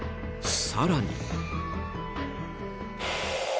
更に。